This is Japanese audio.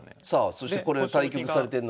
そしてこれを対局されてるのが？